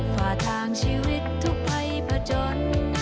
ผ่าทางชีวิตทุกภัยผจญ